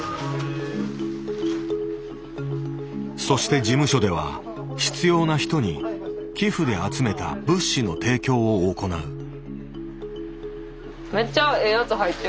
そして事務所では必要な人に寄付で集めた物資の提供を行う。